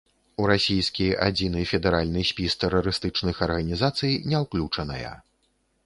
У расійскі адзіны федэральны спіс тэрарыстычных арганізацый не ўключаная.